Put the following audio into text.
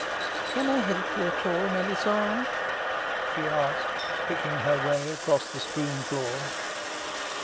"Can I help you at all, Melisande?" she asked, picking her way across the strewn floor.